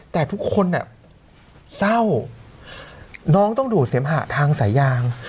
แต่ทุกคนเศร้าน้องต้องดูดเสมหะทางสายยาง